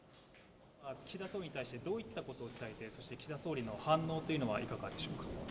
岸田総理に対して、どういったことを伝え、岸田総理の反応というのはいかがでしょうか。